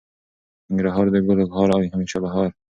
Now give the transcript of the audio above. ننګرهار د ګلو هار او همیشه بهار.